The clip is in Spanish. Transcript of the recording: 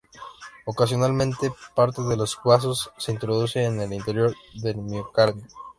Ocasionalmente, parte de los vasos se introducen en el interior del miocardio.